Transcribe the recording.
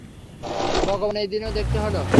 ভগবান, এই দিনও দেখতে হলো?